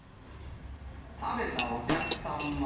食べたお客さんは。